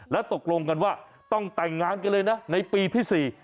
แล้วตกลงกันว่าต้องแต่งงานกันเลยนะในปีที่๔